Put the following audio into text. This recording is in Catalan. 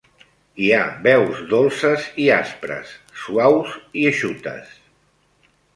Hi ha veus dolces i aspres, suaus i eixutes.